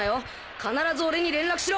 必ず俺に連絡しろ！